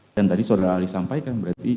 dan tadi saudara ali sampaikan berarti